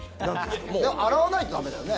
洗わないとダメだよね。